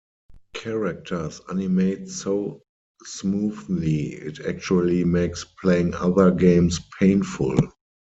Characters animate so smoothly it actually makes playing other games painful.